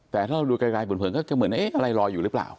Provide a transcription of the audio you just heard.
แต่ถ้าเราดูไกลเผินก็จะเหมือนเอ๊ะอะไรลอยอยู่หรือเปล่า